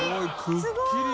すごい！